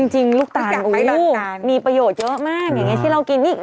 จริงลูกตาลมีประโยชน์เยอะมากอย่างนี้ที่เรากิน